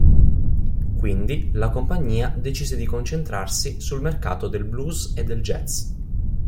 Quindi, la compagnia decise di concentrarsi sul mercato del blues e del jazz.